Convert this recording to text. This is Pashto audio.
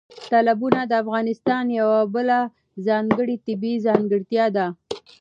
تالابونه د افغانستان یوه بله ځانګړې طبیعي ځانګړتیا ده.